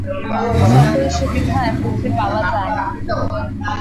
সকল সুবিধা একত্রে পাওয়া যায় না।